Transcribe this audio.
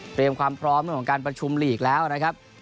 เตรียมความพร้อมของการประชุมหลีกแล้วนะครับ